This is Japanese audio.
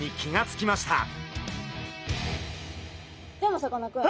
でもさかなクン。